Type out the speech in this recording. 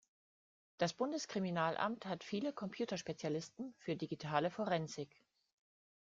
Das Bundeskriminalamt hat viele Computerspezialisten für digitale Forensik.